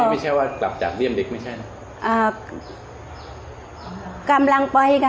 ไม่ใช่ว่ากลับจากเยี่ยมเด็กไม่ใช่นะ